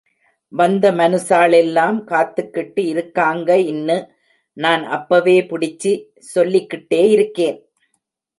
வந்த மனுசா ளெல்லாம் காத்துக்கிட்டு இருக்காங்க இன்னு, நான் அப்பவேபுடிச்சி சொல்லிக்கிட்டே இருக்கேன்.